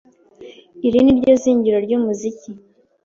iri ni ryo zingiro ry’umuziki